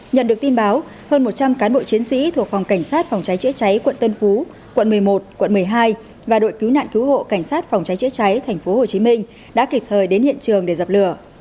nhận được tin báo hơn một trăm linh cán bộ chiến sĩ thuộc phòng cảnh sát phòng cháy chữa cháy quận tân phú quận một mươi một quận một mươi hai và đội cứu nạn cứu hộ cảnh sát phòng cháy chữa cháy tp hcm đã kịp thời đến hiện trường để dập lửa